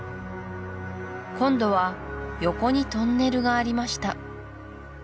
今度は横にトンネルがありました